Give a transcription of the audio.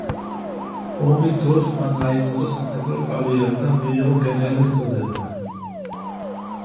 ომის დროს მან აიწყო სამხედრო კარიერა და მიიღო გენერლის წოდება.